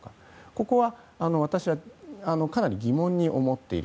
ここは私はかなり疑問に思っている。